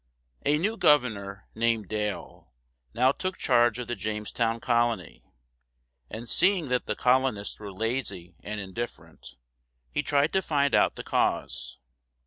A new governor, named Dale, now took charge of the Jamestown colony, and seeing that the colonists were lazy and indifferent, he tried to find out the cause.